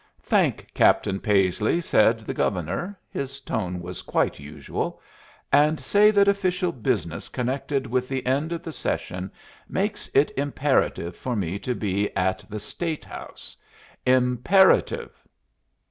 "Thank Captain Paisley," said the Governor (his tone was quite usual), "and say that official business connected with the end of the session makes it imperative for me to be at the State House. Imperative."